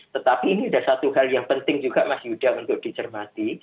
tetapi ini ada satu hal yang penting juga mas yuda untuk dicermati